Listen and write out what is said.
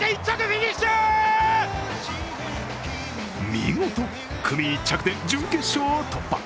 見事、組１着で準決勝を突破。